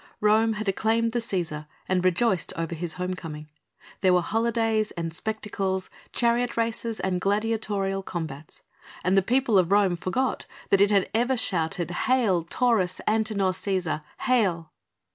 Rome had acclaimed the Cæsar and rejoiced over his homecoming. There were holidays and spectacles, chariot races and gladiatorial combats, and the people of Rome forgot that it had ever shouted: "Hail Taurus Antinor Cæsar! Hail!"